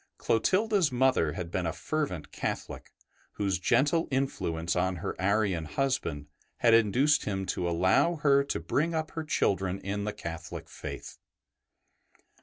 Clotilda's mother had been a fervent Catholic, whose gentle influence on her Arian husband had induced him to allow her to bring up her children in the Catholic faith.